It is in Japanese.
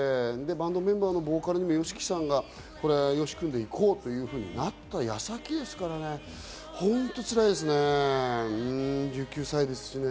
バンドメンバーのボーカルもＹＯＳＨＩＫＩさんがＹＯＳＨＩ君で行こうというふうになった矢先ですからね、本当に辛いですね。